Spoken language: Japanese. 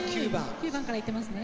９番からいってますね。